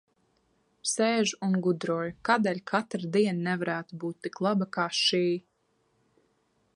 Sēžu un gudroju, kādēļ katra diena nevarētu būt tik laba, kā šī.